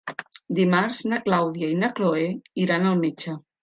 Dimarts na Clàudia i na Cloè iran al metge.